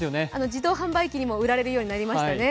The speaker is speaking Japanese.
自動販売機にも売られるようになりましたね。